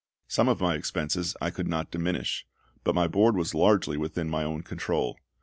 Some of my expenses I could not diminish, but my board was largely within my own control.